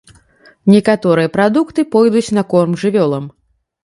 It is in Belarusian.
Некаторыя прадукты пойдуць на корм жывёлам.